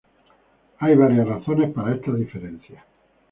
Hay varias razones para estas diferencias.